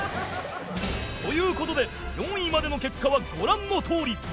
という事で４位までの結果はご覧のとおり